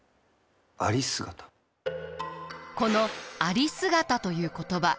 この有姿という言葉